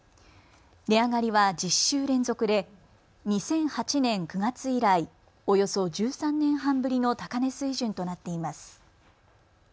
値上がりは１０週連続で２００８年９月以来、およそ１３年半ぶりの高値水準となっています。